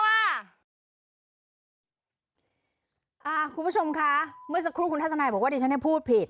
คุณผู้ชมคะเมื่อสักครู่คุณทัศนายบอกว่าดิฉันพูดผิด